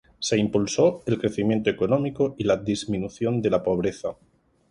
Se impulsó el crecimiento económico y la disminución de la pobreza.